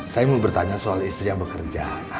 saya mau bertanya soal istri yang bekerja